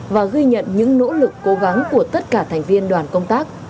và ghi nhận những nỗ lực cố gắng của tất cả thành viên đoàn công tác